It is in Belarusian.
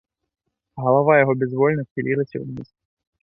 Галава яго бязвольна схілілася ўніз.